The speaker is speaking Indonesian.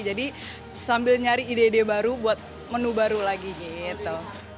jadi sambil nyari ide ide baru buat menu baru lagi gitu